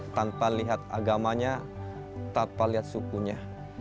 tanpa lihat agamanya tanpa lihat sukunya